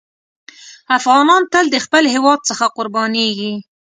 افغانان تل د خپل هېواد څخه قربانېږي.